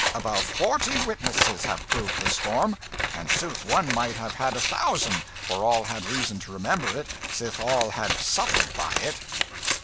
Above forty witnesses have proved the storm; and sooth one might have had a thousand, for all had reason to remember it, sith all had suffered by it."